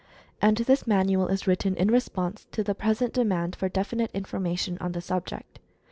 And this manual is writ ten in response to the present demand for definite in formation on the subject.